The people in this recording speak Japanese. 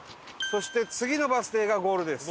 そして次のバス停がゴールです。